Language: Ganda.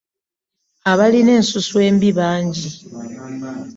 Abalina ensusu embi bangi.